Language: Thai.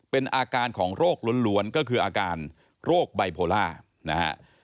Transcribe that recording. เป็นอาการของโรคล้วนก็คืออาการโรคไบโพล่านะฮะ